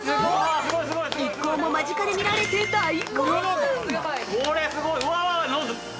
一行も間近で見られて大興奮！